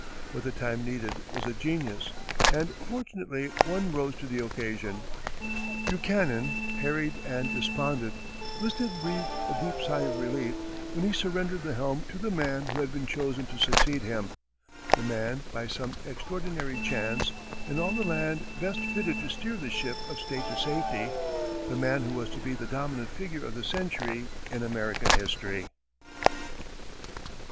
What the time needed was a genius, and fortunately one rose to the occasion. Buchanan, harried and despondent, must have breathed a deep sigh of relief when he surrendered the helm to the man who had been chosen to succeed him the man, by some extraordinary chance, in all the land best fitted to steer the ship of state to safety the man who was to be the dominant figure of the century in American history.